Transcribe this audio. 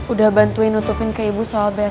udah bantuin nutupin ke ibu soal benar benar